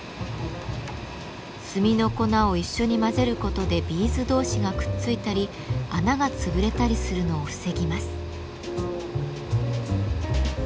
炭の粉を一緒に混ぜることでビーズ同士がくっついたり穴が潰れたりするのを防ぎます。